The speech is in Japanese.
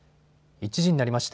１時になりました。